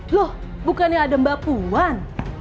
loh bukannya ada mbak puan